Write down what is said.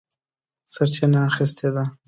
سرچینه اخیستې ده.